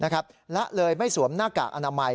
ละเลยไม่สวมหน้ากากอนามัย